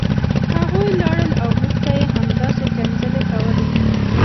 هغوی لاړل او موږ ته یې همداسې کنځلې کولې